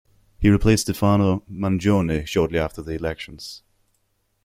He replaced Stefano Mangione shortly after the elections.